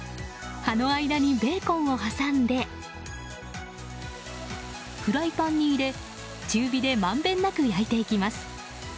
葉の間にベーコンを挟んでフライパンに入れ、中火でまんべんなく焼いていきます。